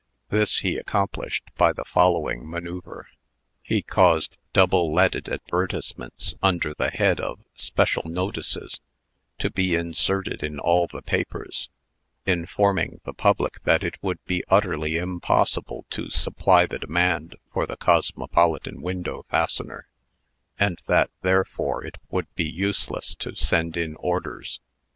This he accomplished by the following manoeuvre: He caused double leaded advertisements, under the head of special notices, to be inserted in all the papers, informing the public that it would be utterly impossible to supply the demand for the "Cosmopolitan Window Fastener," and that, therefore, it would be useless to send in orders.